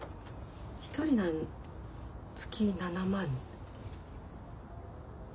一人なの月７万。